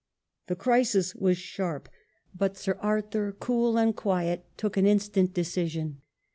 The crisis was sharp, but Sir Arthur, cool and quiet, took an instant decision.